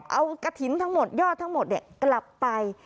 เอากระถิ่นทั้งหมดยอดทั้งหมดกลับไป